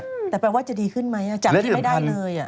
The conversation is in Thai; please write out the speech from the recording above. แต่แปลว่าจะดีขึ้นไหมจับทิ้งไม่ได้เลย